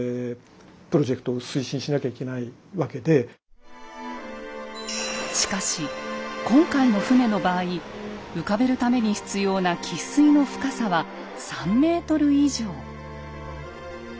要するにしかし今回の船の場合浮かべるために必要な喫水の深さは３ｍ以上。